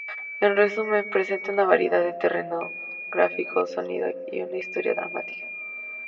En resumen, presenta una variedad de terreno, gráficos, sonido y una historia dramática.